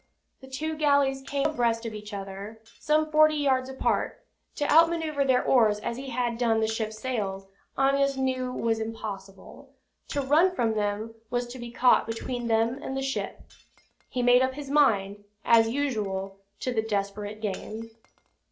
The two galleys came on abreast of each other, some forty yards apart. To out manoeuvre their oars as he had done the ship's sails, Amyas knew was impossible. To run from them, was to be caught between them and the ship. He made up his mind, as usual, to the desperate game.